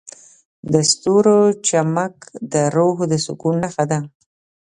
د ستورو چمک د روح د سکون نښه ده.